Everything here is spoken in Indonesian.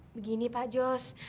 begini pak jos